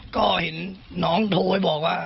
ก็เห็นน้องโทรไปบอกว่า